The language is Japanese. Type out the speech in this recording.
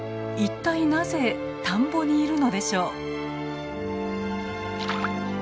一体なぜ田んぼにいるのでしょう？